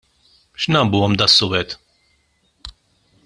X'nambuhom das-suwed?